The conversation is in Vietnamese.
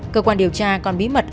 cơ quan điều tra còn bí mật